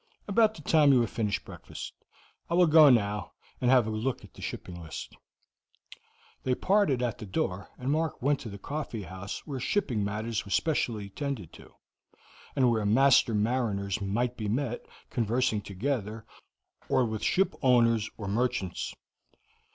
"About the time you have finished breakfast. I will go now, and have a look at the shipping list." They parted at the door, and Mark went to the coffee house where shipping matters were specially attended to, and where master mariners might often be met, conversing together, or with ship owners or merchants.